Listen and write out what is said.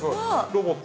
ロボット。